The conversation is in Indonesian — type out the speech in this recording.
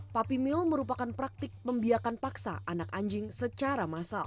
puppy mill merupakan praktik membiarkan paksa anak anjing secara masing masing